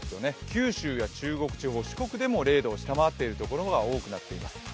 九州や中国地方、四国でも０度を下回っている所が多くなっています。